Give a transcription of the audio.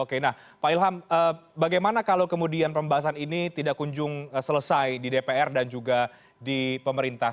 oke nah pak ilham bagaimana kalau kemudian pembahasan ini tidak kunjung selesai di dpr dan juga di pemerintah